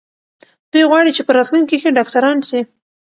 دوی غواړي چې په راتلونکي کې ډاکټران سي.